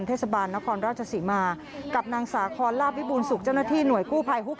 เทศบาลนครราชศรีมากับนางสาคอนลาบวิบูรณสุขเจ้าหน้าที่หน่วยกู้ภัยฮุก